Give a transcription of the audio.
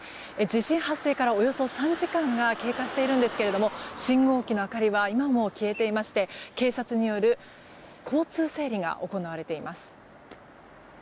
地震発生からおよそ３時間が経過しているんですが信号機の明かりは今も消えていまして警察による交通整理が行われています。